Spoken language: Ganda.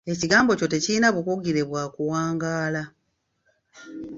Ekigambo ekyo tekirina bukugire bwa kuwangaala.